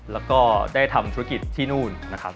แล้วก็ได้ทำธุรกิจที่นู่นนะครับ